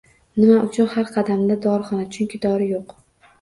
Nima uchun har qadamda dorixona? Chunki dori yo'q